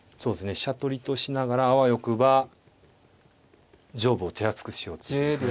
飛車取りとしながらあわよくば上部を手厚くしようってことですね。